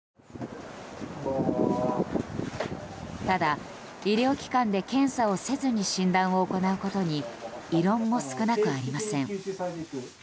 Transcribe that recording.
ただ、医療機関で検査をせずに診断を行うことに異論も少なくありません。